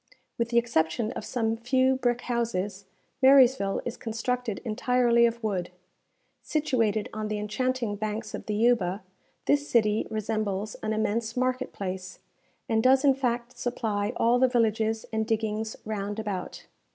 With the exception of some few brick houses, Marysville is constructed entirely of wood. Situated on the enchanting banks of the Yuba, this city resembles an immense market place, and does in fact supply all the villages and diggings round about.